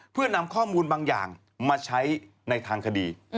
เพื่อนำข้อมูลบางอย่างมาใช้ในทางคดี